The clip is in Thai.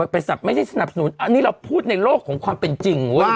ไม่ใช่สนับสนุนอันนี้เราพูดในโลกของความเป็นจริง